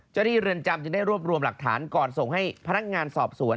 เรือนจำจึงได้รวบรวมหลักฐานก่อนส่งให้พนักงานสอบสวน